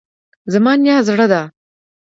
زما نیا زړه ده